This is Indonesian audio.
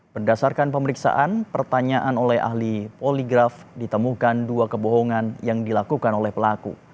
berdasarkan pemeriksaan pertanyaan oleh ahli poligraf ditemukan dua kebohongan yang dilakukan oleh pelaku